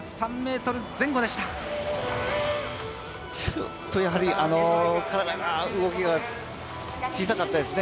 ちょっとやはり体の動きが小さかったですね。